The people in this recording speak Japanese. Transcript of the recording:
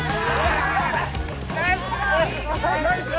ナイス！